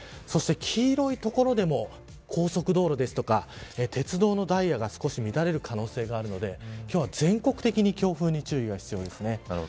そして、黄色い所でも高速道路とか鉄道のダイヤが少し乱れる可能性があるので今日は全国的に強風に注意が必要です。